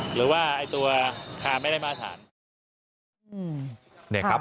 หรือว่าตัวคานไม่ได้มาอาถารก์